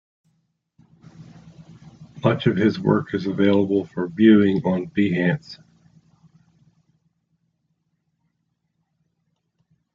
Much of his work is available for viewing on Behance.